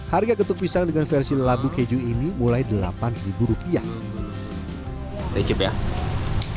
harga getuk pisang dengan versi lelaki ini lebih murah tapi ini juga bisa dipakai untuk membuat pakaian untuk pakaian yang lebih mudah seperti ini